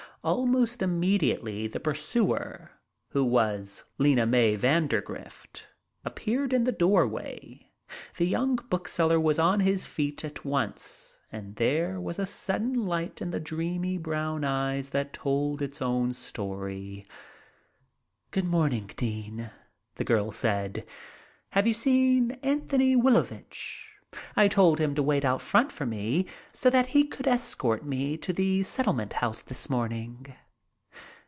Almost immediately the pursuer, who was Lena May Vandergrift, appeared in the doorway. The young bookseller was on his feet at once and there was a sudden light in the dreamy brown eyes that told its own story. "Good morning, Dean," the girl said. "Have you seen Antony Wilovich? I told him to wait out in front for me so that he could escort me to the Settlement House this morning."